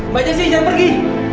mbak jessi jangan pergi